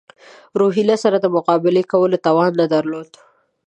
روهیله سره د مقابلې کولو توان نه درلود.